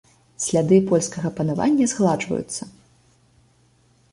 Сляды польскага панавання згладжваюцца.